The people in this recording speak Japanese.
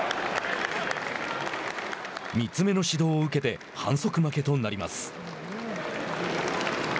３つ目の指導を受けて反則負けとなります。